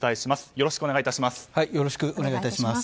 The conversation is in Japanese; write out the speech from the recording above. よろしくお願いします。